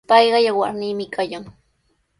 Payqa yawarniimi kallan.